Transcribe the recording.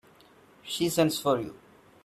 She sends for you.